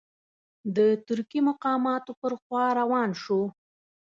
د ترکي مقاماتو پر خوا روان شو.